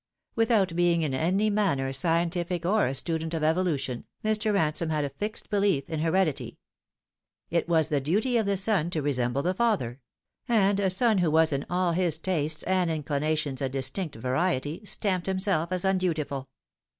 Without being in any manner scientific or a student of evolution, Mr. Ransome had a fixed belief in heredity. It was the duty of the son to resemble the father ; and a son who was in all his tastes and inclinations a distinct variety stamped him self as undutiful.